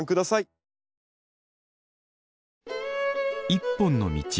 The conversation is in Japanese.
「一本の道」。